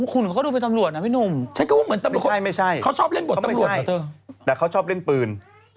คุณถือจะได้ฟ้องคุณ